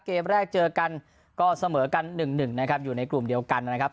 เกมแรกเจอกันก็เสมอกัน๑๑นะครับอยู่ในกลุ่มเดียวกันนะครับ